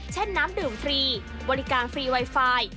น้ำดื่มฟรีบริการฟรีไวไฟ